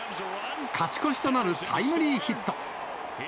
勝ち越しとなるタイムリーヒット。